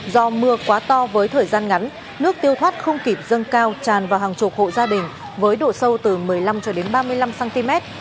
do mưa quá to với thời gian ngắn nước tiêu thoát không kịp dâng cao tràn vào hàng chục hộ gia đình với độ sâu từ một mươi năm ba mươi năm cm